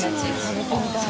食べてみたい。